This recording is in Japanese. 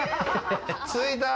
着いた。